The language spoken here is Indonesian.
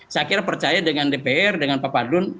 saya akhirnya percaya dengan dpr dengan pak fadl